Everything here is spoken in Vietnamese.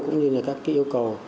cũng như là các yêu cầu